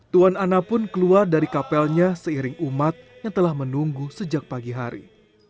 tuan ana pun keluar dari kapelnya seiring umat yang telah menunggu sejak pagi hari